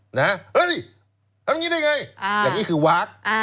เฮ้ยเอาอย่างนี้ได้ไงอย่างนี้คือวาร์ค